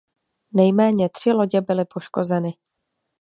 Nejméně tři lodě byly poškozeny.